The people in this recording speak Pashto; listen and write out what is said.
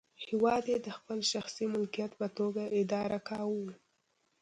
هېواد یې د خپل شخصي ملکیت په توګه اداره کاوه.